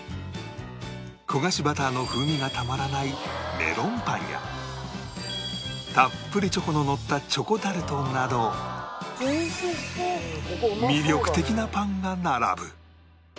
焦がしバターの風味がたまらないメロンパンやたっぷりチョコののったチョコタルトなど魅力的なパンが並ぶ